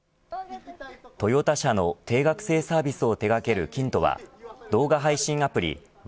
トヨタ車の定額制サービスを手掛けるＫＩＮＴＯは動画配信アプリ１７